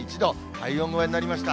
体温超えになりました。